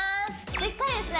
しっかりですね